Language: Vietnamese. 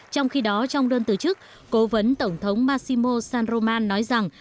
trong khi đó trong đơn tử chức cố vấn tổng thống massimo san roman nói rằng